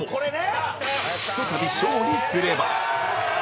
ひとたび勝利すれば